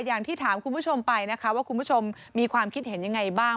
อย่างที่ถามคุณผู้ชมไปนะคะว่าคุณผู้ชมมีความคิดเห็นยังไงบ้าง